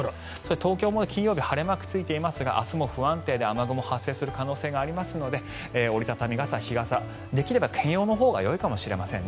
東京も金曜日晴れマークがついていますが明日も不安定で、雨雲発生する可能性ありますので折り畳み傘、日傘できれば兼用のほうがいいかもしれません。